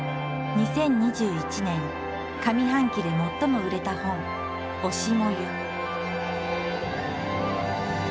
２０２１年上半期で最も売れた本「推し、燃ゆ」。